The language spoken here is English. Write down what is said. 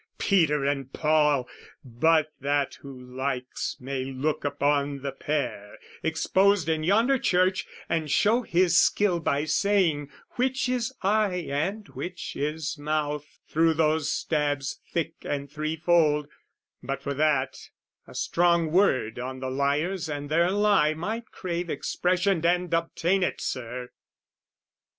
Peter and Paul! But that who likes may look upon the pair Exposed in yonder church, and show his skill By saying which is eye and which is mouth Thro' those stabs thick and threefold, but for that A strong word on the liars and their lie Might crave expression and obtain it, Sir!